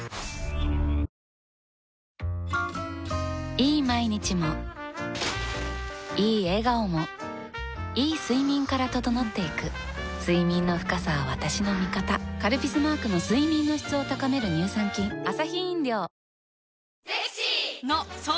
いい毎日もいい笑顔もいい睡眠から整っていく睡眠の深さは私の味方「カルピス」マークの睡眠の質を高める乳酸菌これ。